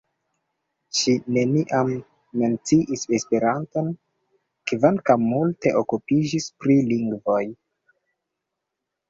Ŝi neniam menciis Esperanton, kvankam multe okupiĝis pri lingvoj.